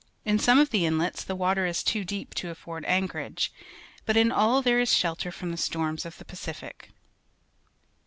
In some of the inlets the water is too deep to afford anchorage, but in all there is shelter from the storms of the Pacific.